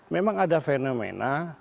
memang ada fenomena